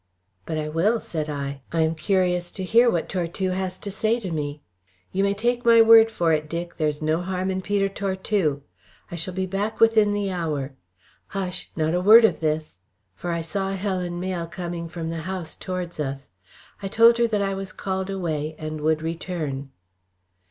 "But I will," said I. "I am curious to hear what Tortue has to say to me. You may take my word for it, Dick, there's no harm in Peter Tortue. I shall be back within the hour. Hush! not a word of this!" for I saw Helen Mayle coming from the house towards us. I told her that I was called away, and would return.